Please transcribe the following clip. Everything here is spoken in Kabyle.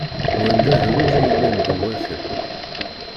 Nwan d agerruj i yellan ddaw wakal.